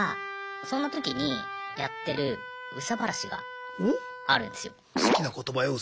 そんな時にやってる憂さ晴らしがあるんですよ。